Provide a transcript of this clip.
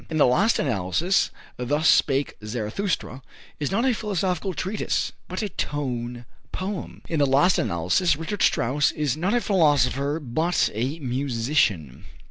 In the last analysis, "Thus Spake Zarathustra" is not a philosophical treatise, but a tone poem. In the last analysis, Richard Strauss is not a philosopher, but a musician.